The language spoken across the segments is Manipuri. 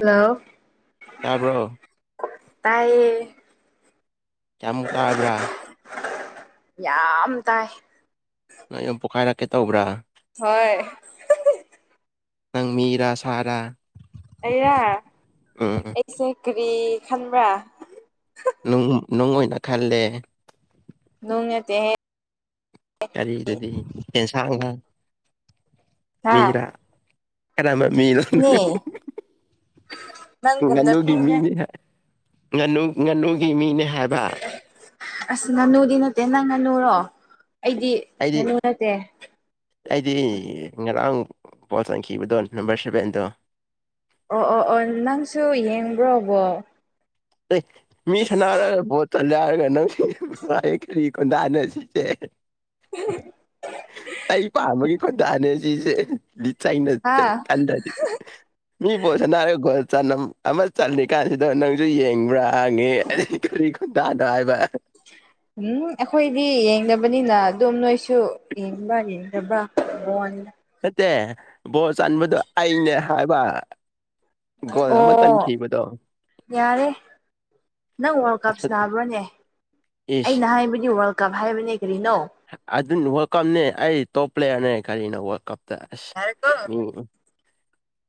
ꯍꯜꯂꯣ ꯇꯥꯕ꯭ꯔꯣ ꯇꯥꯏꯌꯦ ꯀꯌꯥꯃꯨꯛ ꯇꯥꯕ꯭ꯔ ꯌꯥꯝ ꯇꯥꯏ ꯅꫭꯏ ꯌꯨꯝ ꯄꯣꯛꯈꯥꯏꯔꯛꯀꯦ ꯇꯧꯕ꯭ꯔ ꯍꯣꯏ ꯅꯪ ꯃꯤꯔ ꯁꯥꯔ ꯑꯩꯔ ꯑꯩꯁꯦ ꯀ꯭ꯔꯤ ꯈꯟꯕ꯭ꯔ ꯅꯨꯡ ꯅꯨꯡ ꯑꯣꯏꯅ ꯈꯜꯂꯦ ꯅꯨꯡ ꯅꯠꯇꯦꯍꯦ ꯀꯔꯤ ꯗꯨꯗꯤ ꯑꯦꯟꯁꯥꯡꯂ ꯍꯥ ꯃꯤꯔ ꯀꯔꯝꯕ ꯃꯤꯅꯣ ꯏꯅꯦ ꯅꯪ ꯅꯪꯒꯨꯝꯅ ꯉꯥꯅꯨꯒꯤ ꯃꯤꯅꯦ ꯃꯤꯅꯤ ꯍꯥꯏ ꯉꯥꯅꯨ ꯉꯥꯅꯨꯒꯤ ꯃꯤꯅꯦ ꯍꯥꯏꯕ ꯑꯁ ꯉꯥꯅꯨꯗꯤ ꯅꯠꯇꯦ ꯅꯪ ꯉꯥꯅꯨꯔꯣ ꯑꯩꯗꯤ ꯑꯩꯗꯤ ꯉꯥꯅꯨ ꯅꯠꯇꯦ ꯑꯩꯗꯤ ꯉꯔꯥꯡ ꯕꫭꯜ ꯆꯪꯈꯤꯕꯗꯣ ꯅꯝꯕꯔ ꯁꯚꯦꯟꯗꯣ ꯑꯣ ꯑꯣ ꯑꯣ ꯅꯪꯁꯨ ꯌꯦꯡꯕ꯭ꯔꯣ ꯕꯣꯜ ꯑꯦ ꯃꯤ ꯁꯅꯔꯒ ꯕꫭ [unintelligible] ꯀꯔꯤ ꯈꯣꯟꯗꯥꯅꯣ ꯁꯤꯗꯤ ꯑꯩ ꯄꯥꯝꯕꯒꯤ ꯈꯣꯟꯗꯥꯅꯦ ꯁꯤꯖꯦ ꯂꯤꯠꯆꯩꯅ ꯍꯥ ꯁꯦꯠ ꯀꯟꯗꯗꯤ ꯃꯤ ꯕꫭꯜ ꯁꯥꯅꯔꯒ ꯒꫭꯜ ꯆꯥꯅꯝ ꯑꯃ ꯆꯜꯂꯤꯀꯥꯟꯁꯤꯗ ꯅꯪ ꯖꯨ ꯌꯦꯡꯕ꯭ꯔ ꯍꯪꯉꯦ ꯀꯔꯤ ꯈꯨꯟꯗꯥꯅꯣ ꯍꯥꯏꯕ [unintelligible] ꯍꯨꯝ ꯑꯩꯈꯣꯏꯗꯤ ꯌꯦꯡꯗꯕꯅꯤꯅ ꯑꯗꯨꯝ ꯅꯣꯏꯁꯨ ꯌꯦꯡꯕ꯭ꯔ ꯌꯦꯡꯗꯕ꯭ꯔ ꯍꯪꯕꯋꯥꯅꯤꯗ ꯅꯠꯇꯦ ꯕꯣꯜ ꯆꯟꯕꯗꯣ ꯑꯩꯅꯦ ꯍꯥꯏꯕ ꯒꯣꯜ ꯑꯃ ꯑꯣ ꯆꯟꯈꯤꯕꯗꫭ ꯌꯥꯔꯦ ꯅꯪ ꯋꯥꯔꯜ ꯀꯞ ꯑꯁ ꯁꯥꯟꯅꯥꯕ꯭ꯔꯣꯅꯦ ꯏꯁ ꯑꯩꯅ ꯍꯥꯏꯕꯗꯤ ꯋꯥꯔꯜ ꯀꯞ ꯍꯥꯏꯕꯅꯦ ꯀꯔꯤꯅꯣ ꯑꯗꯨꯟ ꯋꯥꯔꯜ ꯀꯞꯅꯦ ꯑꯩ ꯇꯣꯞ ꯄ꯭ꯂꯦꯌ꯭ꯔꯅꯦ ꯀꯔꯤꯅꯣ ꯋꯥꯔꯜ ꯀꯞꯇ ꯑꯁ ꯌꯥꯔꯦꯀꯣ ꯃꯤ ‌ꯎꯝ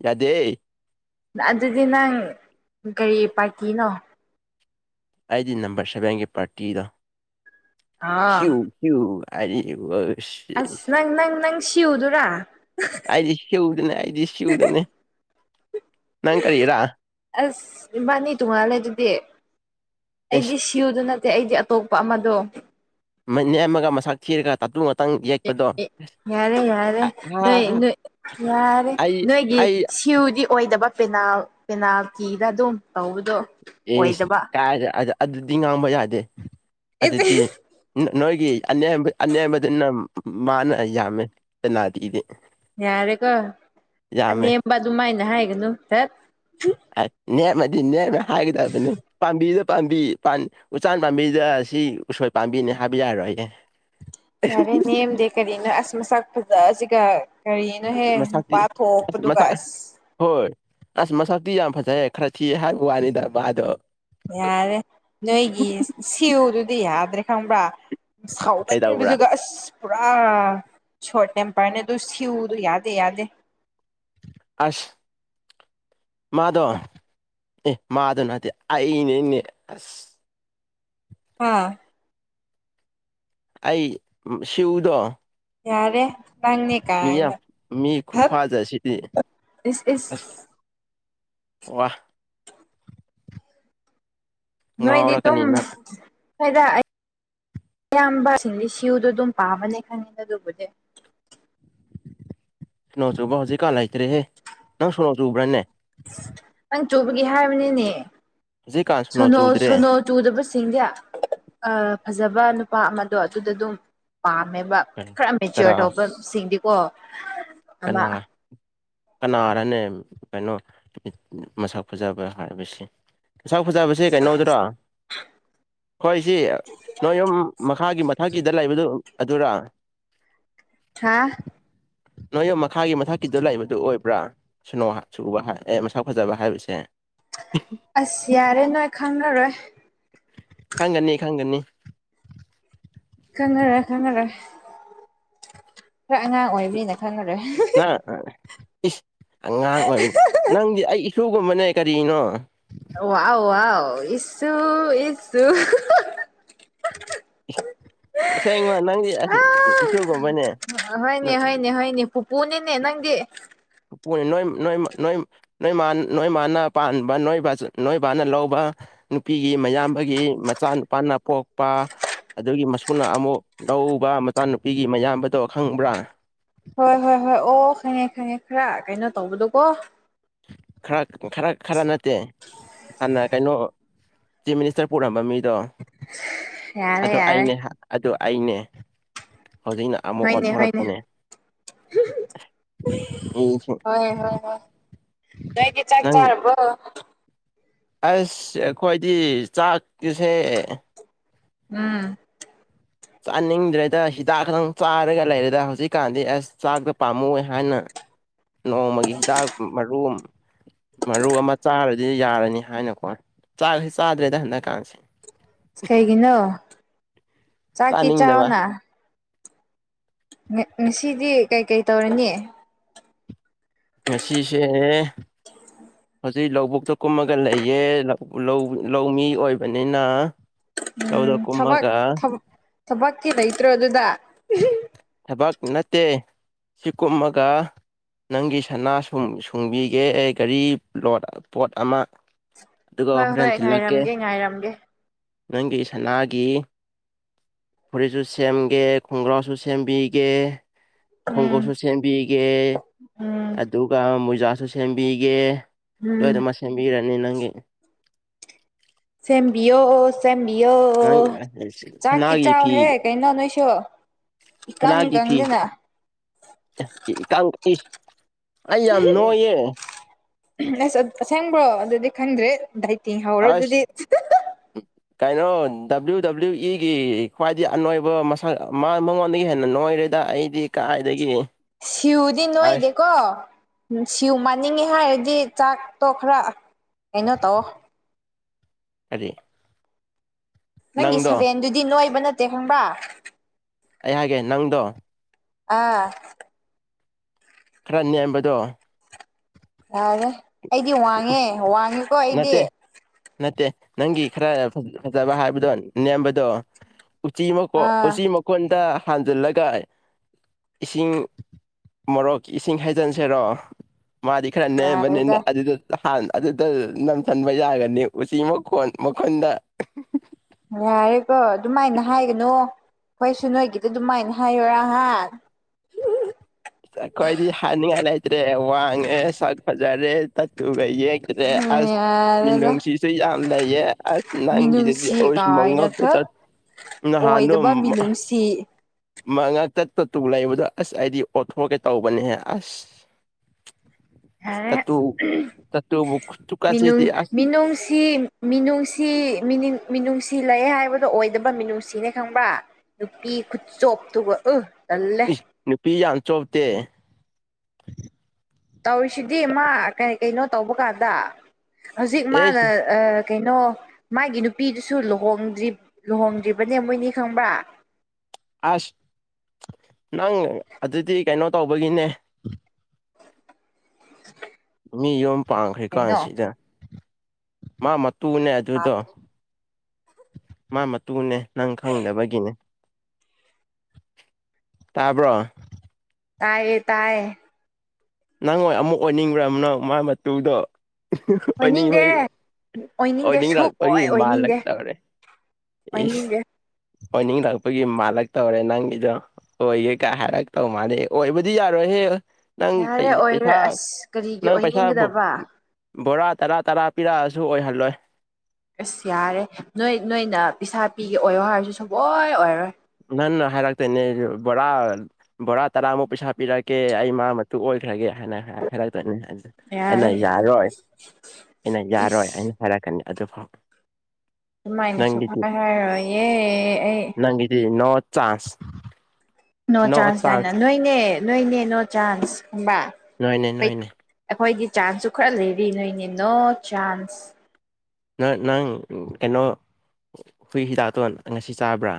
ꯌꯥꯗꯦꯍꯦ ꯑꯗꯨꯗꯤ ꯅꯪ ꯀꯔꯤ ꯄꯥꯔꯇꯤꯅꯣ ꯑꯩꯗꯤ ꯅꯝꯕ꯭ꯔ ꯁꯚꯦꯟꯒꯤ ꯄꯥꯔꯇꯤꯗꯣ ꯁ꯭ꯌꯨ ꯑꯥ ꯁ꯭ꯋꯨ ꯑꯩꯗꯤ ꯋꯁ ꯑꯁ ꯏꯁ ꯅꯪ ꯅꯪ ꯅꯪ ꯁꯤꯎꯗꯨꯔꯥ ꯑꯩꯗꯤ ꯁ꯭ꯋꯨꯗꯅꯦ ꯑꯩꯗꯤ ꯁ꯭ꯋꯨꯗꯅꯦ ꯅꯪ ꯀꯔꯤꯔꯥ ꯑꯁ ꯏꯕꯥꯟꯅꯤ ꯇꯣꯡꯉꯥꯜꯂꯦ ꯑꯗꯨꯗꯤ ꯑꯦꯁ ꯑꯩꯗꯤ ꯁꯤ ꯁ꯭ꯋꯨꯗ ꯅꯠꯇꯦ ꯑꯩꯗꯤ ꯑꯇꯣꯞꯄ ꯑꯃꯗꯣ ꯃꯅꯦꯝꯃꯒ ꯃꯁꯛ ꯊꯤꯔꯒ ꯇꯥꯇꯨꯠ ꯑꯦ ꯑꯦ ꯌꯥꯔꯦ ꯌꯥꯔꯦ ꯑ ꯅꯣꯏ ꯅꯣꯏ ꯌꯥꯔꯦ ꯑꯩ ꯅꯣꯏꯒꯤ ꯑꯩ ꯁꯤ ꯀ꯭ꯌꯨꯗꯤ ꯑꯣꯏꯗꯕ ꯄꯦꯅꯥꯜ ꯄꯦꯅꯥꯜꯇꯤꯗ ꯑꯗꯨꯝ ꯇꯧꯕꯗꯣ ꯏꯁ ꯑꯣꯏꯗꯕ ꯀꯥꯏꯔ ꯑ ꯑꯗꯨꯗꯤ ꯉꯥꯡꯕ ꯌꯥꯗꯦ ꯑꯗꯨꯗꯤ ꯅ ꯅꯣꯏꯒꯤ ꯑꯅꯦꯝꯕ ꯑꯅꯦꯝꯕꯗꯨꯅ ꯃꯥꯅ ꯌꯥꯝꯃꯦ ꯄꯦꯅꯥꯟꯇꯤꯒꯤꯗꯤ ꯌꯥꯔꯦꯀꯣ ꯑꯅꯦꯝꯕ ꯑꯗꯨꯃꯥꯏꯅ ꯍꯥꯏꯒꯅꯨ ꯗꯠ ꯑ ꯅꯦꯝꯃꯗꯤ ꯅꯦꯝꯃꯦ ꯍꯥꯏꯒꯗꯕꯅꯦ ꯄꯥꯝꯕꯤꯗ ꯄꯥꯝꯕꯤ ꯄꯥꯟ ꯎꯆꯥꯟ ꯄꯥꯝꯕꯤꯗ ꯁꯤ ꯎꯁꯣꯏ ꯄꯥꯝꯕꯤꯅꯦ ꯍꯥꯏꯕ ꯌꯥꯔꯣꯏꯌꯦ ꯌꯥꯔꯦ ꯅꯦꯝꯗꯦ ꯀꯔꯤꯅ‌ꯣ ꯑꯁ ꯃꯁꯛ ꯐꯖꯁꯤꯒ ꯀꯔꯤꯅꯣꯍꯦ ꯃꯁꯛꯇꯤ ꯅꯨꯄꯥ ꯊꯣꯛꯄꯗꯨꯒ ꯑꯁ ꯍꯣꯏ ꯑꯁ ꯃꯁꯛꯇꯤ ꯌꯥꯝ ꯐꯖꯩꯌ‌ꯦ ꯈꯔ ꯊꯤꯌ‌ꯦ ꯍꯥꯏꯕꯩ ꯋꯥꯅꯤꯗ ꯃꯥꯗꯣ ꯌꯥꯔꯦ ꯅꯣꯏꯒꯤ ꯁꯤꯌꯨꯗꯨꯗꯤ ꯌꯥꯗ꯭ꯔꯦ ꯈꯪꯕ꯭ꯔꯥ ꯀꯩꯗꯧꯕ꯭ꯔꯥ ꯁꯥꯎꯒꯟꯕꯗꯨꯒ ꯑꯁ ꯄꯨꯔꯥ ꯁꯣꯔꯠ ꯇꯦꯝꯄ꯭ꯔꯅꯦ ꯑꯗꯨ ꯁꯤꯌꯨꯗꯨ ꯌꯥꯗꯦ ꯌꯥꯗꯦ ꯑꯁ ꯃꯥꯗꯣ ꯑꯦ ꯃꯥꯗꯣ ꯅꯠꯇꯦ ꯑꯩꯅꯦꯅꯦ ꯑꯁ ꯍꯥ ꯑꯩ ꯁꯤꯌꯨꯗ‌ꯣ ꯌꯥꯔꯦ ꯅꯪꯅꯦ ꯃꯤꯌꯥꯝ ꯀꯥꯏꯅ ꯃꯤ ꯍꯞ ꯈꯨꯐꯥꯖꯁꯤꯗꯤ ꯏꯁ ꯑꯁ ꯏꯁ ꯋꯥ ꯅꯣꯏꯗꯤ ꯗꯨꯝ ꯉꯥꯎꯔꯛꯀꯅꯤ ꯅꯪ ꯍꯣꯢꯗ ꯑꯩ ꯑꯌꯥꯝꯕ ꯁꯤꯡꯗꯤ ꯁꯤꯌꯨꯗꯣ ꯑꯗꯨꯝ ꯄꯥꯝꯕꯅꯦ ꯈꯪꯉꯦꯗ ꯑꯗꯨꯕꯨꯗꯤ ꯁꯣꯅꯣ ꯆꯨꯕ ꯍꯧꯖꯤꯛꯀꯥꯟ ꯂꯩꯇ꯭ꯔꯦꯍꯦ ꯅꯪ ꯁꯣꯅꯣ ꯆꯨꯕ꯭ꯔꯥꯅꯦ ꯅꯪ ꯆꯨꯕꯒꯤ ꯍꯥꯏꯕꯅꯤꯅꯦ ꯍꯧꯖꯤꯛꯀꯥꯟ ꯁꯣꯅꯣ ꯆꯨꯗ꯭ꯔꯦ ꯁꯣꯅꯣ ꯆꯨꯗꯕꯁꯤꯡꯁꯦ ꯑ ꯐꯖꯕ ꯅꯨꯄꯥ ꯑꯃꯗꯣ ꯑꯗꯨꯗ ꯑꯗꯨꯝ ꯄꯥꯝꯃꯦꯕ ꯈꯔ ꯃꯦꯆ꯭ꯌꯨꯔ ꯀꯅꯥ ꯇꯧꯕ ꯁꯤꯡꯗꯤꯀꯣ ꯀꯅꯥ ꯀꯅꯥꯔꯅꯦ ꯀꯩꯅꯣ ꯃꯁꯛ ꯐꯖꯕ ꯍꯥꯏꯕꯁꯤ ꯃꯁꯛ ꯐꯖꯕꯁꯦ ꯀꯩꯅꯣꯗꯨꯔꯣ ꯈꯣꯏ ꯁꯤ ꯅꯣꯏ ꯌꯨꯝ ꯃꯈꯥꯒꯤ ꯃꯊꯛꯀꯤꯗ ꯂꯩꯕꯗꯨ ꯑꯗꯨꯔꯥ ꯈꯥ ꯅꯣꯏ ꯌꯨꯝ ꯃꯈꯥꯒꯤ ꯃꯊꯛꯀꯤꯗ ꯂꯩꯕꯗꯨ ꯑꯣꯏꯕ꯭ꯔꯥ ꯁꯨꯅꯣ ꯍ ꯆꯨꯕ ꯍ ꯑꯦ ꯃꯁꯥꯛ ꯐꯖꯕ ꯍꯥꯏꯕꯁꯦ ꯑꯁ ꯌꯥꯔꯦ ꯅꯣꯏ ꯈꯪꯉꯔꯣꯏ ꯈꯪꯒꯅꯤ ꯈꯪꯒꯅꯤ ꯈꯪꯉꯔꯣꯏ ꯈꯪꯉꯔꯣꯏ ꯈ꯭ꯔ ꯑꯉꯥꯡ ꯑꯣꯏꯕꯅꯤꯅ ꯈꯪꯉꯔꯣꯢ ꯍꯥ ꯑ ꯏꯁ ꯑꯉꯥꯡ ꯑꯣꯏꯕ ꯅꯪꯗꯤ ꯑꯩ ꯏꯁꯨꯒꯨꯝꯕꯅꯦ ꯀꯔꯤꯅꯣ ꯑ ꯋꯥꯎ ꯋꯥꯎ ꯏꯁꯨꯨ ꯏꯁꯨꯨ ꯑꯁꯦꯡꯕ ꯅꯪꯖꯤ ꯑꯁ ꯏꯁꯨꯒꯨꯝꯕꯅꯦ ꯍꯣꯏꯅꯦ ꯍꯣꯏꯅꯦ ꯍꯣꯏꯅꯦ ꯄꯨꯄꯨꯅꯤꯅꯦ ꯅꯪꯗꯤ ꯋꯣꯏ ꯅꯣꯏꯝ ꯅꯣꯏꯝ ꯅꯣꯏꯝ ꯅꯣꯏ ꯃꯥꯟ ꯅꯣꯏ ꯃꯥꯅ ꯄꯥꯟꯕ ꯅꯣꯏ ꯕꯥꯆ ꯅꯣꯏ ꯕꯥꯅ ꯂꯧꯕ ꯅꯨꯄꯤꯒꯤ ꯃꯌꯥꯝꯕꯒꯤ ꯃꯆꯥꯅꯨꯨꯄꯥꯅ ꯄꯣꯛꯄ ꯑꯗꯨꯒꯤ ꯃꯁꯨꯅ ꯑꯃꯨꯛ ꯂꯧꯕ ꯃꯆꯥ ꯅꯨꯨꯄꯤꯒꯤ ꯃꯌꯥꯝꯕꯗꯣ ꯈꯪꯕ꯭ꯔꯥ ꯍꯣꯏ ꯍꯣꯏ ꯍꯣꯏ ꯑꯣ ꯈꯪꯉꯦ ꯈꯪꯉꯦ ꯈ꯭ꯔ ꯀꯩꯅꯣ ꯇꯧꯕꯗꯣꯀꯣ ꯈ꯭ꯔ ꯈ꯭ꯔ ꯈ꯭ꯔ ꯅꯠꯇꯦ ꯍꯥꯟꯅ ꯀꯩꯅꯣ ꯆꯤꯞ ꯃꯤꯅꯤꯁꯇꯔ ꯄꯨꯔꯝꯕ ꯃꯤꯗꯣ ꯌꯥꯔꯦ ꯑꯗꯣ ꯌꯥꯔꯦ ꯑꯩꯅꯦ ꯍ ꯑꯗꯨ ꯑꯩꯅꯦ ꯍꯧꯖꯤꯛꯅ ꯑꯃꯨꯛ ꯑꯣꯟꯊꯣꯔꯛꯄꯅꯦ ꯃꯤꯁꯤꯡ ꯍꯣꯢ ꯍꯣꯢ ꯍꯣꯢ ꯅꯣꯏꯗꯤ ꯆꯥꯛ ꯅꯪ ꯆꯥꯔꯕꯣ ꯑꯁ ꯑꯈꯣꯏꯗꯤ ꯆꯥꯛꯀꯤꯁꯦ ꯎꯝ ꯆꯥꯅꯤꯡꯗ꯭ꯔꯦꯗ ꯍꯤꯗꯥꯛ ꯈꯛꯇꯪ ꯆꯥꯔꯒ ꯂꯩꯔꯦꯗ ꯍꯧꯖꯤꯛꯀꯥꯟꯗꯤ ꯑꯁ ꯆꯥꯛꯇꯣ ꯄꯥꯝꯃꯣꯏ ꯍꯥꯏꯅ ꯅꯣꯡꯃꯥꯒꯤ ꯍꯤꯗꯥꯛ ꯃꯔꯨꯝ ꯃꯔꯨ ꯑꯃꯥ ꯆꯥꯔꯗꯤ ꯌꯥꯔꯅꯤ ꯍꯥꯏꯅꯀꯣ ꯆꯥꯛꯁꯤ ꯆꯥꯗ꯭ꯔꯦꯗ ꯍꯟꯗꯛꯀꯥꯟꯁꯤ ꯀꯩꯒꯤꯅꯣ ꯆꯥꯛꯀꯤ ꯆꯥꯅꯤꯡꯗꯕ ꯆꯥꯎꯅ ꯉ ꯉꯁꯤꯗꯤ ꯀꯩꯀꯩ ꯇꯧꯔꯅꯤ ꯉꯁꯤꯁꯦ ꯍꯧꯖꯤꯛ ꯂꯧꯕꯨꯛꯇ ꯀꯨꯝꯃꯒ ꯂꯩꯌꯦ ꯂꯧ ꯂꯧ ꯂꯧꯃꯤ ꯑꯣꯏꯕꯅꯤꯅ ꯂꯧꯗ ꯎꯝ ꯊꯕꯛ ꯀꯨꯝꯃꯒ ꯊꯝ ꯊꯕꯛꯇꯤ ꯂꯩꯇ꯭ꯔꯣ ꯑꯗꯨꯗ ꯊꯕꯛ ꯅꯠꯇꯦ ꯁꯤ ꯀꯨꯝꯃꯒ ꯅꯪꯒꯤ ꯁꯅꯥ ꯁꯨꯝ ꯁꯨꯡꯕꯤꯒꯦ ꯒꯥꯔꯤ ꯂꯣꯠ ꯄꯣꯠ ꯑꯃꯥ ꯑꯗꯨꯒ ꯍꯣꯏ ꯍꯣꯔꯦꯟ ꯍꯣꯏ ꯊꯤꯂꯛꯀꯦ ꯉꯥꯏꯔꯝꯒꯦ ꯉꯥꯏꯔꯝꯒꯦ ꯅꯪꯒꯤ ꯁꯅꯥꯒꯤ ꯐꯨꯔꯤꯠꯖꯨ ꯁꯦꯝꯒꯦ ꯈꯣꯡꯒ꯭ꯔꯥꯎꯁꯨ ꯁꯦꯝꯕꯤꯒꯦ ꯎꯝ ꯈꯣꯡꯎꯞꯁꯨ ꯁꯦꯝꯕꯤꯒꯦ ꯎꯝ ꯑꯗꯨꯒ ꯃꯣꯏꯖꯥꯁꯨ ꯁꯦꯝꯕꯤꯒꯦ ꯎꯝ ꯂꯣꯏꯅꯃꯛ ꯁꯦꯝꯕꯤꯔꯅꯤ ꯅꯪꯒꯤ ꯁꯦꯝꯕꯤꯌꯣ ꯁꯦꯝꯕꯤꯌꯣ ꯅꯪ ꯆꯥꯛꯇꯤ ꯁꯅꯥꯒꯤ ꯐꯤ ꯆꯥꯎꯍꯦ ꯀꯩꯅꯣ ꯅꯣꯏꯁꯨ ꯏꯀꯪ ꯀꯪꯗꯅ ꯑ ꯏꯀꯪ ꯏ ꯑꯁ ꯑꯠ ꯑꯁꯦꯡꯕ꯭ꯔꯣ ꯑꯗꯨꯗꯤ ꯈꯪꯗ꯭ꯔꯦꯠ ꯗꯥꯏ ꯇꯤꯡ ꯍꯧꯔꯣ ꯑꯁ ꯑꯗꯨꯗꯤ ꯀꯩꯅꯣ ꯗꯕ꯭ꯂꯤꯎ ꯗꯕ꯭ꯂꯤꯎ ꯏꯒꯤ ꯈ꯭ꯋꯥꯏꯗꯒꯤ ꯑꯅꯣꯏꯕ ꯃꯁꯛ ꯃꯥ ꯃꯉꯣꯟꯗꯒꯤ ꯍꯦꯟꯅ ꯅꯣꯏꯔꯦꯗ ꯑꯩ ꯗꯤ ꯀꯥꯏꯗꯒꯤ ꯁꯤꯎꯗꯤ ꯑꯁ ꯅꯣꯏꯗꯦꯀꯣ ꯅꯨꯡꯁꯤꯎ ꯃꯥꯟꯅꯤꯡꯉꯦ ꯍꯥꯏꯔꯗꯤ ꯆꯥꯛꯇꯣ ꯈꯔ ꯀꯩꯅꯣ ꯇꯧꯑꯣ ꯀꯔꯤ ꯅꯪꯒꯤ ꯅꯪꯗꯣ ꯁꯚꯦꯟꯗꯨꯗꯤ ꯅꯣꯏꯕ ꯅꯠꯇꯦ ꯈꯪꯕꯥꯥ ꯑꯩ ꯍꯥꯏꯒꯦ ꯅꯪꯗꯣ ꯑꯥ ꯈꯔ ꯅꯦꯝꯕꯗꯣ ꯌꯥꯔꯦ ꯑꯩꯗꯤ ꯋꯥꯡꯉꯦ ꯋꯥꯡꯉꯦꯀꯣ ꯑꯩꯗꯤ ꯅꯠꯇꯦ ꯅꯠꯇꯦ ꯅꯪꯒꯤ ꯈꯔ ꯐꯖ ꯐꯖꯕ ꯍꯥꯏꯕꯗꯣ ꯅꯦꯝꯕꯗꯣ ꯎꯆꯤ ꯃꯀꯣ ꯑꯥ ꯎꯆꯤ ꯃꯀꯣꯟꯗ ꯍꯥꯟꯖꯤꯜꯂꯒ ꯏꯁꯤꯡ ꯃꯣꯔꯣꯛꯀꯤ ꯏꯁꯤꯡ ꯍꯩꯖꯤꯟꯁꯤꯔꯣ ꯃꯥꯗꯤ ꯈꯔ ꯅꯦꯝꯕꯅꯤꯅ ꯌꯥꯔꯦꯗ ꯑꯗꯨꯗꯨ ꯅꯍꯥꯟ ꯑꯗꯨꯗ ꯅꯝꯖꯟꯕ ꯌꯥꯒꯅꯤ ꯎꯆꯤ ꯃꯀꯣꯟ ꯃꯈꯨꯟꯗ ꯌꯥꯔꯦꯀꯣ ꯑꯗꯨꯃꯥꯏꯅ ꯍꯥꯏꯒꯅꯨ ꯑꯩꯈꯣꯏꯁꯨ ꯅꯣꯏꯒꯤꯗ ꯑꯗꯨꯃꯥꯏꯅ ꯍꯥꯏꯌꯣꯔꯥ ꯍꯥ ꯑꯁ ꯑꯈꯣꯏꯗꯤ ꯍꯥꯏꯅꯤꯡꯉꯥꯏ ꯂꯩꯇꯔ꯭ꯦ꫰ꯋꯥꯡꯉꯦ ꯁꯥꯛ ꯐꯖꯔꯦ꯫ ꯇꯠꯇꯨꯒ ꯌꯦꯛꯇ꯭ꯔꯦ ꯑꯁ ꯌꯥꯔꯦꯗ ꯃꯤꯅꯨꯡꯁꯤꯁꯨ ꯌꯥꯝ ꯂꯩꯌꯦ ꯑꯁ ꯅꯪꯒꯤꯗ ꯃꯤꯅꯨꯡꯁꯤ ꯑꯣꯁ ꯀꯥꯏꯅ ꯃꯉꯛꯇ ꯈꯛ ꯇꯠ ꯅꯍꯥꯟꯗꯣ ꯑꯣꯏꯗꯕ ꯃꯤꯅꯨꯡꯁꯤ ꯃꯥ ꯃꯉꯛꯇ ꯇꯠꯇꯨ ꯂꯩꯕꯗꯣ ꯑꯁ ꯑꯩꯗꯤ ꯑꯣꯊꯣꯛꯒꯦ ꯇꯧꯕꯅꯦꯍꯦ ꯑꯁ꯫ [inaudible] ꯑꯁ ꯌꯥꯔꯦ ꯇꯠꯇꯨ ꯇꯠꯇꯨꯕꯨ ꯃꯤꯅꯨꯡ ꯈꯨꯠꯁꯨꯀꯥꯁꯤꯗꯤ ꯑꯁ ꯃꯤꯅꯨꯡꯁꯤ ꯃꯤꯅꯨꯡꯁꯤ ꯃꯤꯅꯤꯡ ꯃꯤꯅꯨꯡꯁꯤ ꯂꯩ ꯍꯥꯏꯕꯗꯣ ꯑꯣꯏꯗꯕ ꯃꯤꯅꯨꯡꯁꯤꯅꯦ ꯈꯪꯕ꯭ꯔꯥ ꯅꯨꯄꯤ ꯈꯨꯆꯣꯞꯇꯨꯒ ꯑ ꯏ ꯅꯨꯄꯤ ꯌꯥꯝ ꯆꯣꯞꯇꯦ ꯇꯧꯔꯤꯁꯤꯗꯤ ꯃꯥ ꯀꯩ ꯀꯩꯅꯣ ꯇꯧꯕ ꯀꯥꯟꯗ ꯍꯧꯖꯤꯛ ꯃꯥꯅ ꯑꯦꯁ ꯑꯥ ꯀꯩꯅꯣ ꯃꯥꯒꯤ ꯅꯨꯄꯤꯗꯨꯁꯨ ꯂꯨꯍꯣꯡꯗ꯭ꯔꯤ ꯂꯨꯍꯣꯡꯗ꯭ꯔꯤꯕꯅꯦ ꯃꯣꯏꯅꯤ ꯈꯪꯕ꯭ꯔꯥ ꯑꯁ ꯅꯪ ꯑꯗꯨꯗꯤ ꯀꯩꯅꯣ ꯇꯧꯕꯒꯤꯅꯦ ꯃꯤ ꯌꯨꯝ ꯄꯥꯡꯈ꯭ꯔꯤ ꯀꯩꯅꯣ ꯀꯥꯟꯁꯤꯗ ꯃꯥ ꯃꯇꯨꯅꯦ ꯑꯗꯨꯗꯣ ꯇꯥꯗꯔ꯭ꯤ ꯃꯥ ꯃꯇꯨꯅꯦ ꯅꯪ ꯈꯪꯗꯕꯒꯤꯅꯦ ꯇꯥꯕ꯭ꯔꯣ ꯇꯥꯏꯌꯦ ꯇꯥꯏꯌꯦ ꯅꯪ ꯑꯣꯏ ꯑꯃꯨꯛ ꯑꯣꯏꯅꯤꯡꯕ꯭ꯔꯅꯣ ꯃꯥ ꯃꯇꯨꯗꯣ ꯑꯣꯏꯅꯤꯡꯕꯩ ꯑꯣꯏꯅꯤꯡꯗꯦ ꯑꯣꯏꯅꯤꯡꯗꯦ ꯁꯨꯛ ꯑꯣꯏꯅꯤꯡꯔꯛꯄꯒꯤ ꯑꯣꯏ ꯑꯣꯏꯅꯤꯡꯗꯦ ꯃꯥꯜꯂꯛꯇꯧꯔꯦ ꯏꯁ ꯑꯣꯏꯅꯤꯡꯗꯦ ꯑꯣꯏꯅꯤꯡꯔꯛꯄꯒꯤ ꯃꯥꯜꯂꯛꯇꯧꯔꯦ ꯅꯪꯒꯤꯗꯣ ꯑꯣꯏꯒꯦ ꯀꯥꯏ ꯍꯥꯏꯔꯛꯇꯧ ꯃꯥꯥꯟꯅꯦ ꯑꯣꯏꯕꯗꯤ ꯌꯥꯔꯣꯏ ꯍꯦ ꯅꯪ ꯌꯥꯔꯦ ꯄꯩ ꯄꯩꯁꯥ ꯑꯣꯏꯔꯦ ꯑꯁ ꯀꯔꯤꯒꯤ ꯅꯪ ꯄꯩꯁꯥ ꯑꯣꯏꯅꯤꯡꯒꯗꯕ ꯕꯣꯔꯥ ꯇꯔꯥ ꯇꯔꯥ ꯄꯤꯔꯛꯑꯁꯨ ꯑꯣꯏꯍꯜꯂꯣꯏ ꯑꯁ ꯌꯥꯔꯦ ꯅꯣꯏ ꯅꯣꯏꯅ ꯄꯩꯁꯥ ꯄꯤꯒꯦ ꯑꯣꯏꯌꯣ ꯍꯥꯏꯔꯁꯨ ꯁꯨꯡꯑꯣꯏ ꯑꯣꯏꯔꯣꯏ꯫ ꯅꯟꯅ ꯍꯥꯏꯔꯥꯛꯇꯣꯏꯅꯦ ꯑꯩꯖꯨ ꯕꯣꯔꯥ ꯕꯣꯔꯥ ꯇꯔꯥꯃꯨꯛ ꯄꯩꯁꯥ ꯄꯤꯔꯛꯀꯦ ꯑꯩ ꯃꯥ ꯃꯇꯨ ꯑꯣꯏꯈ꯭ꯔꯒꯦ ꯍꯥꯏꯅ ꯍꯥꯏꯔꯛꯇꯣꯏꯅꯤ ꯑꯗ ꯑꯩꯅ ꯌꯥꯔꯦ ꯌꯥꯔꯣꯏ ꯑꯩꯅ ꯌꯥꯔꯣꯏ ꯏꯁ ꯍꯥꯏꯅ ꯍꯥꯏꯔꯛꯀꯅꯤ ꯑꯗꯨꯐꯥꯎ꯫ ꯗꯨꯃꯥꯏꯅ ꯅꯪꯒꯤꯗꯤ ꯁꯨꯛꯍꯥꯏ ꯍꯥꯏꯔꯣꯏꯌꯦ ꯑꯩ꯫ ꯗꯤ ꯅꯣ ꯆꯥꯟꯁ ꯅꯣ ꯆꯥꯟꯁ ꯍꯥꯏꯅ ꯅꯣꯏꯅꯦ ꯅꯣꯏꯅꯦ ꯅꯣ ꯆꯥꯟꯁ ꯈꯪꯕ꯭ꯔꯥ ꯅꯣꯏꯅꯦ ꯑꯣꯏ ꯅꯣꯏꯅꯦ ꯑꯈꯣꯏꯗꯤ ꯆꯥꯟꯁꯁꯨ ꯈꯔ ꯂꯩꯔꯤ ꯅꯣꯏꯅꯤ ꯅꯣ ꯆꯥꯟꯁ꯫ ꯅ ꯅꯪ ꯀꯩꯅꯣ ꯍꯨꯏ ꯍꯤꯗꯥꯛꯇꯣꯟ ꯉꯁꯤ ꯆꯥꯕ꯭ꯔꯥ꯫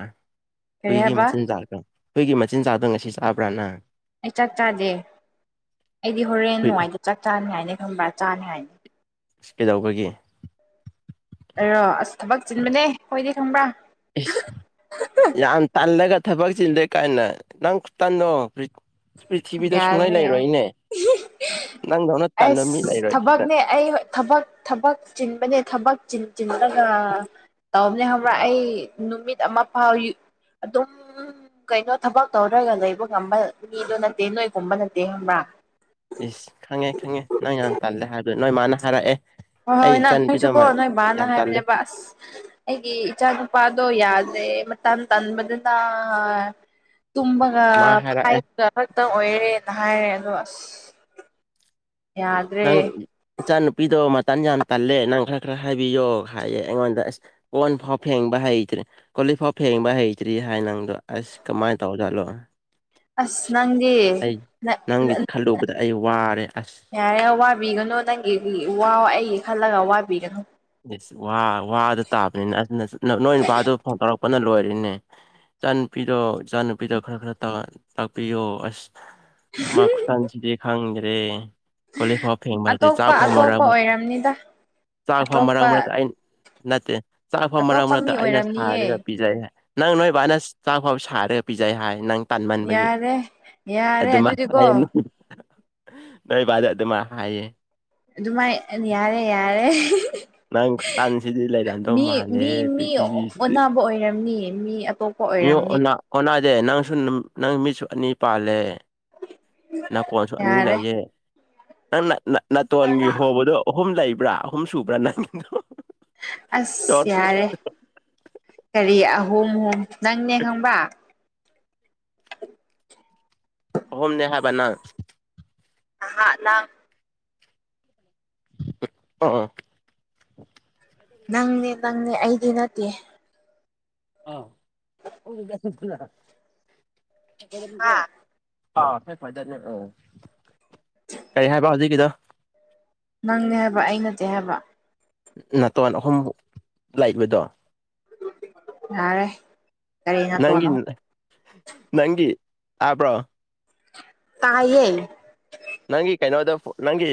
ꯀꯔꯤ ꯍꯨꯏꯒꯤ ꯍꯥꯏꯕ ꯃꯆꯤꯟꯖꯥꯛꯀ ꯍꯨꯏꯒꯤ ꯃꯆꯤꯟꯖꯥꯛꯇꯨ ꯉꯁꯤ ꯆꯥꯕ꯭ꯔꯥ ꯅꯪ ꯑꯩ ꯆꯥꯛ ꯆꯥꯗꯦ ꯑꯩꯗꯤ ꯍꯨꯏ ꯍꯣꯔꯦꯟꯋꯥꯏꯗ ꯆꯥꯛ ꯆꯥꯅꯤ ꯉꯥꯏꯅ ꯈꯪꯕ꯭ꯔꯥ ꯆꯥꯅꯤ ꯉꯥꯏ ꯀꯩꯗꯧꯕꯒꯤ ꯑꯣꯔꯣ ꯑꯁ ꯊꯥꯕꯛ ꯆꯤꯟꯕꯅꯦ ꯑꯈꯣꯏꯗꯤ ꯈꯪꯕ꯭ꯔꯥ ꯏꯁ ꯌꯥꯝ ꯇꯜꯂꯒ ꯊꯥꯕꯛ ꯆꯤꯟꯂꯦ ꯀꯥꯏꯅ ꯅꯪ ꯈꯨꯇꯟꯗꯣ ꯔꯤꯠ ꯄ꯭ꯔꯤꯊꯤꯕꯤꯗ ꯁꯨꯡꯂꯩ ꯂꯩꯔꯣꯏꯅꯦ ꯅꯪꯗꯧꯅ ꯇꯟꯕ ꯃꯤ ꯑꯩꯁ ꯂꯩꯔꯣꯏ ꯁꯤꯗ ꯊꯥꯕꯛꯅꯦ ꯑꯩ ꯍꯣꯏ ꯊꯥꯕꯛ ꯊꯥꯕꯛ ꯆꯤꯟꯕꯅꯦ ꯊꯥꯕꯛ ꯆꯤꯟ ꯆꯤꯟꯂꯒ ꯇꯧꯕꯅꯦ ꯈꯪꯕ꯭ꯔ ꯏꯁ ꯑꯩ ꯅꯨꯃꯤꯠ ꯑꯃ ꯐꯥꯥꯎ ꯌꯨ ꯑꯗꯨꯝ ꯀꯩꯅꯣ ꯊꯥꯕꯛ ꯇꯧꯔꯒ ꯂꯩꯕ ꯉꯝꯕ ꯃꯤꯗꯨꯅꯦ ꯇꯦ ꯅꯣꯏꯒꯨꯝꯕ ꯅꯠꯇꯦ ꯈꯪꯕ꯭ꯔꯥ ꯏꯁ ꯈꯪꯉꯦ ꯈꯪꯉꯦ ꯅꯪ ꯌꯥꯝ ꯇꯜꯂꯦ ꯍꯥꯏꯕꯗꯣ ꯅꯣꯏ ꯃꯥꯅ ꯍꯥꯏꯔꯛꯑꯦ ꯑꯩ ꯍꯣꯏ ꯅꯪ ꯏꯆꯟꯅꯨꯄꯤꯗꯣ ꯅꯪꯁꯨꯀꯣ ꯅꯣꯏ ꯕꯥꯅ ꯌꯥꯝ ꯇꯜꯂꯦ ꯍꯥꯏꯕꯅꯦꯕ ꯑꯁ ꯑꯩꯒꯤ ꯏꯆꯥ ꯅꯨꯄꯥꯗꯣ ꯌꯥꯗ꯭ꯔꯦ ꯃꯇꯟ ꯇꯟꯕꯗꯅ ꯇꯨꯝꯕꯒ ꯃꯥ ꯍꯥꯏꯔꯛꯑꯦ ꯐꯥꯏꯕꯒ ꯈꯛꯇꯪ ꯑꯣꯏꯔꯦ ꯍꯥꯏꯑꯦ ꯑꯗꯣ ꯑꯁ ꯌꯥꯗ꯭ꯔꯦ ꯅꯪ ꯏꯆꯥꯅꯨꯄꯤꯗꯣ ꯃꯇꯟ ꯌꯥꯝ ꯇꯜꯂꯦ ꯅꯪ ꯈꯔ ꯈꯔ ꯍꯥꯏꯕꯤꯌꯣ ꯍꯥꯏꯌꯦ ꯑꯩꯉꯣꯟꯗ ꯑꯁ ꯀꯣꯟ ꯐꯥꯎ ꯐꯦꯡꯕ ꯍꯩꯇ꯭ꯔꯦ ꯀꯣꯂꯤꯛ ꯐꯥꯎ ꯐꯦꯡꯕ ꯍꯩꯇ꯭ꯔꯤ ꯍꯥꯏ ꯅꯪꯗꯣ ꯑꯁ ꯀꯃꯥꯏ ꯇꯧꯕ ꯖꯥꯠꯂꯣ ꯑꯁ ꯅꯪꯗꯤ ꯅ ꯅꯪꯒꯤ ꯈꯜꯂꯨꯕꯗ ꯑꯩ ꯋꯥꯔꯦ ꯑꯁ ꯌꯥꯔꯦ ꯋꯥꯕꯤꯒꯅꯨ ꯅꯪꯒꯤ ꯋꯥꯎ ꯑꯩꯒꯤ ꯈꯜꯂꯒ ꯋꯥꯕꯤꯒꯅꯨ ꯏꯁ ꯋꯥ ꯋꯥꯗ ꯇꯥꯕꯅꯤꯅ ꯑꯁ ꯅꯥ ꯅꯣꯏ ꯅꯄꯥꯗꯨ ꯐꯣꯟ ꯐꯥꯎꯔꯛꯄꯅ ꯂꯣꯏꯔꯦꯅꯦ ꯏꯆꯥꯅꯨꯨꯄꯤꯗꯣ ꯏꯆꯥꯅꯨꯄꯤꯗꯣ ꯈꯔ ꯈꯔ ꯇꯥꯛꯄꯤꯌꯣ ꯑꯁ ꯃꯈꯨꯗꯥꯡ ꯁꯤꯗꯤꯌꯦ ꯈꯥꯡꯗ꯭ꯔꯦ ꯀꯣꯂꯤꯛ ꯐꯥꯎ ꯐꯦꯡꯕ ꯍꯩꯇꯦ ꯆꯥꯛ ꯐꯥꯎ ꯃꯔꯛ ꯔꯝꯅꯤꯗ ꯆꯥꯛ ꯐꯥꯎ ꯃꯔꯛ ꯃꯔꯛꯇ ꯑꯩꯪ ꯅꯠꯇꯦ ꯆꯥꯛ ꯐꯥꯎ ꯃꯔꯛ ꯑꯇꯣꯞꯄ ꯃꯤ ꯃꯔꯛꯇ ꯑꯩꯅ ꯁꯥꯏꯔꯒ ꯑꯣꯏꯔꯝꯅꯤꯌꯦ ꯄꯤꯖꯩ ꯍꯥꯏ ꯅꯪ ꯅꯣꯏꯕꯥꯅ ꯆꯥꯛ ꯐꯥꯎ ꯁꯥꯏꯔꯒ ꯄꯤꯖꯩ ꯍꯥꯏ ꯅꯪ ꯇꯟꯃꯟꯕꯒꯤ ꯌꯥꯔꯦ ꯌꯥꯔꯦ ꯑꯗꯨꯃꯥꯏ ꯑꯗꯨꯗꯤꯀꯣ ꯍꯥꯏꯌꯦ [unintelligible] ꯅꯣꯏꯕꯥꯗꯤ ꯑꯗꯨꯃꯥꯏꯟ ꯍꯥꯏꯌꯦ ꯑꯗꯨꯃꯥꯏ ꯑꯅꯤ ꯍꯥꯏꯔ ꯌꯥꯔꯦ ꯅꯪ ꯈꯨꯇꯟꯁꯤꯗꯤ ꯂꯩꯔꯝꯗꯧ ꯃꯤ ꯃꯤ ꯃꯥꯟꯗꯦꯍꯦ ꯃꯤ ꯄ꯭ꯔꯤꯊꯤꯕꯤꯁꯤꯗꯤ ꯑꯣꯟꯅꯥꯕ ꯑꯣꯏꯔꯝꯅꯤ ꯃꯤ ꯑꯇꯣꯞꯄ ꯃꯤ ꯑꯣꯏꯔꯝꯅꯤ ꯑꯣꯟꯅ ꯑꯣꯟꯅꯗꯦ ꯅꯪꯁꯨ ꯅꯪ ꯃꯤꯠꯁꯨ ꯑꯅꯤ ꯄꯥꯜꯂꯦ ꯅꯀꯣꯡꯁꯨ ꯑꯅꯤ ꯌꯥꯔꯦ ꯂꯩꯌꯦ ꯅꯪ ꯅ-ꯅ-ꯅꯥꯇꯣꯟꯒꯤ ꯍꯣꯕꯗꯣ ꯑꯍꯨꯝ ꯂꯩꯕ꯭ꯔꯥ ꯑꯍꯨꯝ ꯁꯨꯕ꯭ꯔꯥ ꯅꯪꯒꯤꯗꯣ ꯑꯁ ꯌꯥꯔꯦ ꯀꯔꯤ ꯑꯍꯨꯝ ꯅꯪꯅꯦ ꯈꯪꯕ ꯑꯍꯨꯝꯅꯦ ꯍꯥꯏꯕ ꯅꯪ ꯑꯍꯥ ꯂꯥ ꯑꯣ ꯅꯪꯅꯦ ꯅꯪꯅꯦ ꯑꯩꯗꯤ ꯅꯠꯇꯦ ꯑ [unintelligible] ꯍꯥ [unintelligible] ꯑꯥ ꯐꯦꯛ ꯐꯥꯏꯗꯅꯦ ꯑꯝ, ꯀꯩ ꯍꯥꯏꯕ ꯍꯧꯖꯤꯛꯀꯤꯗꯨ ꯅꯪꯅꯦ ꯍꯥꯏꯕ ꯑꯩ ꯅꯠꯇꯦ ꯍꯥꯏꯕ ꯅꯥꯇꯣꯟ ꯑꯍꯨꯝ ꯂꯩꯕꯗꯣ ꯌꯥꯔꯦ ꯀꯔꯤ ꯅꯇꯣꯟ ꯅꯪꯒꯤ ꯑꯍꯨꯝ ꯅꯪꯒꯤ ꯇꯥꯕ꯭ꯔꯣ ꯇꯥꯏꯌꯦ ꯅꯪꯒꯤ ꯀꯩꯅꯣꯗ ꯅꯪꯒꯤ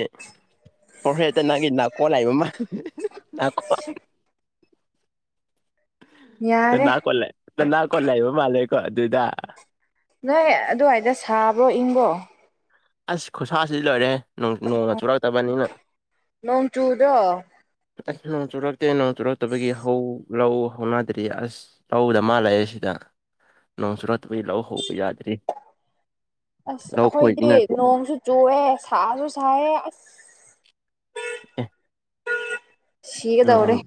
ꯐꯣꯔꯍꯦꯠꯇ ꯅꯪꯒꯤ ꯅꯥꯀꯣ ꯂꯩꯕ ꯃꯥꯜꯂꯦ ꯅꯥꯀꯣꯡ ꯌꯥꯔꯦ ꯗꯅꯥ ꯀꯣꯂꯦ ꯗꯅꯥ ꯀꯣꯂꯦ ꯀꯣ ꯂꯩꯕ ꯃꯂꯦ ꯃꯥꯜꯂꯦꯀꯣ ꯑꯗꯨꯗ ꯅꯣꯏ ꯑꯗꯨꯋꯥꯏꯗ ꯁꯥꯕ꯭ꯔꯣ ꯏꯪꯕꯣ ꯑꯁ ꯈꯨꯁꯥꯁꯤꯗꯤ ꯂꯣꯏꯔꯦ ꯅꯣꯡ ꯅꯣꯡꯒꯥ ꯆꯨꯔꯛꯇꯕꯅꯤꯅ ꯅꯣꯡꯆꯨꯗꯣ ꯑꯩꯁ ꯅꯣꯡ ꯆꯨꯔꯛꯇꯦ ꯅꯣꯡ ꯆꯨꯔꯛꯇꯕꯒꯤ ꯍꯧ ꯂꯧ ꯍꯧꯅꯗ꯭ꯔꯤ ꯑꯁ ꯂꯧꯗ ꯃꯥꯂꯥꯛꯑꯦ ꯁꯤꯗ ꯅꯣꯡ ꯆꯨꯔꯛꯇꯕꯩ ꯂꯧ ꯍꯧꯕ ꯌꯥꯗ꯭ꯔꯦ ꯑꯁ ꯑꯩꯈꯣꯏꯗꯤ ꯅꯣꯡꯁꯨ ꯆꯨꯑꯦ ꯁꯥꯁꯨ ꯁꯥꯏꯌꯦ ꯑꯁ ꯑꯦ ꯁꯤꯒꯗꯧꯔꯦ ꯅꯣꯡ